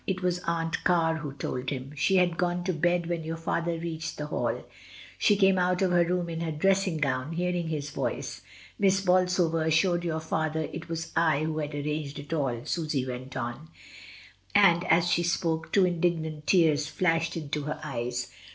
"It was Aunt Car who told him, she had gone to bed when your father reached the Hall. She came out of her room in her dressing gown, hearing his voice. Miss Bol sover assured your father it was I who had arranged it all," Susy went on; and as she spoke two in dignant tears flashed into her eyes. 12 MRS.